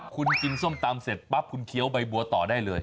คุณกินส้มตำเสร็จปั๊บคุณเคี้ยวใบบัวต่อได้เลย